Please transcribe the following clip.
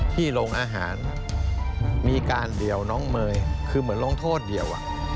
โรงอาหารมีการเดี่ยวน้องเมย์คือเหมือนลงโทษเดี่ยว